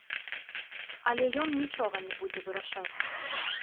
Але ён нічога не будзе вырашаць.